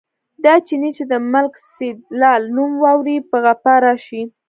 دا چيني چې د ملک سیدلال نوم واوري، په غپا راشي.